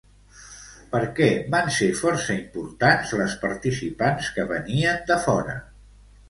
Per què van ser força importants les participants que venien de fora?